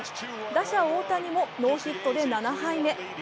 打者・大谷もノーヒットで７敗目。